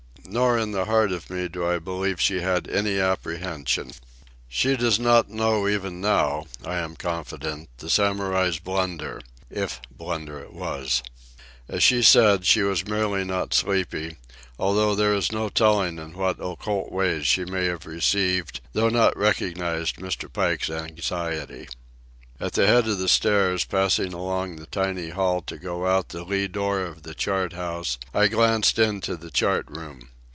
Nor in the heart of me do I believe she had any apprehension. She does not know even now, I am confident, the Samurai's blunder—if blunder it was. As she said, she was merely not sleepy, although there is no telling in what occult ways she may have received though not recognized Mr. Pike's anxiety. At the head of the stairs, passing along the tiny hall to go out the lee door of the chart house, I glanced into the chart room.